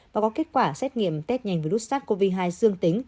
và có kết quả xét nghiệm test nhanh với virus sars cov hai dương tính